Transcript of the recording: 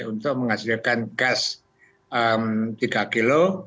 untuk menghasilkan gas tiga kilo